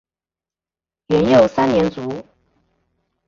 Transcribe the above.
元佑三年卒。